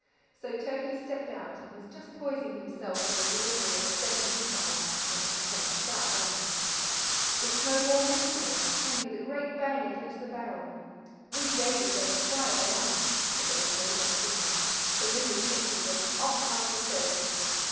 So Turkey stepped out, and was just poising himself in the delivery of a second missile, when she turned sharp round. The snowball missed her, and came with a great bang against the barrel. Wee Davie gave a cry of alarm, but there was no danger now, for Mrs. Mitchell was off after Turkey.